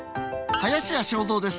林家正蔵です。